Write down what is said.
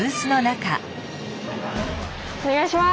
お願いします。